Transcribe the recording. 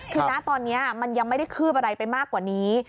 คือนะตอนนี้มันยังไม่ได้คืบอะไรไปมากกว่านี้